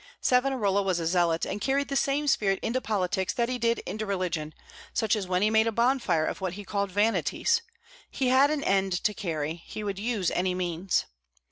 Savonarola was a zealot, and carried the same spirit into politics that he did into religion, such as when he made a bonfire of what he called vanities. He had an end to carry: he would use any means.